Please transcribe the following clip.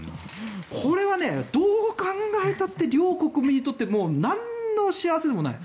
これはね、どう考えたって両国民にとってなんの幸せでもない。